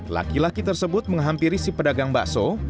laki laki tersebut menghampiri si pedagang bakso